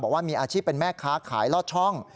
บอกว่ามีอาชีพเป็นแม่ค้าขายลอดช่อง